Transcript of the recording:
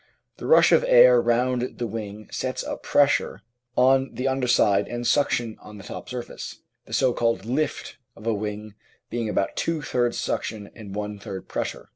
The rush of air round the wing sets up pressure on the under side and suction on the top surface, the so called "lift" of a wing being about two thirds suction and one third pressure.